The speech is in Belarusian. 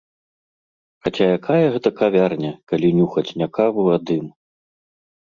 Хаця якая гэта кавярня, калі нюхаць не каву, а дым?